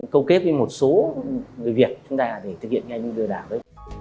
câu kết với một số người việt chúng ta để thực hiện cái lừa đảo đấy